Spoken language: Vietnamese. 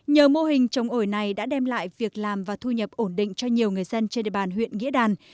nhờ mô hình trồng ổi này đã đem lại việc làm và thu nhập ổn định cho nhiều người dân trên địa bàn huyện nghĩa đàn